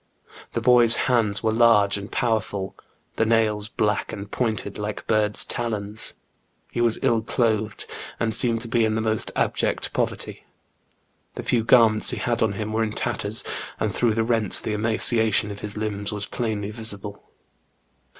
The boy's hands were large and powerful, the nails black and pointed like bird's talons. He was ill clothed, and seemed to be in the most abject poverty. The few garments he had on him were in tatters, and through the rents the emaciation of his limbs was plainly visible.